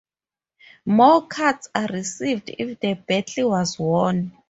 More cards are received if the battle was won.